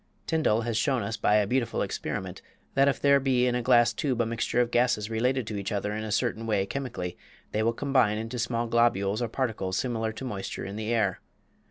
Tyndall has shown us by a beautiful experiment that if there be in a glass tube a mixture of gases related to each other in a certain way chemically, they will combine into small globules or particles similar to moisture in the air.